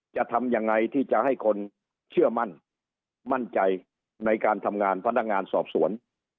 จะทำยังไงที่จะให้คนเชื่อมั่นมั่นใจในการทำงานพนักงานสอบสวน